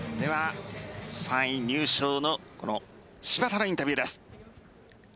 ３位入賞の芝田のインタビューです。